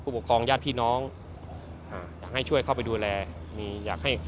ปกครองญาติพี่น้องอ่าอยากให้ช่วยเข้าไปดูแลมีอยากให้